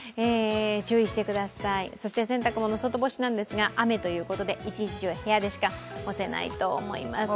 注意してください、そして洗濯物外干しなんですが雨ということで、一日中部屋でしか干せないと思います。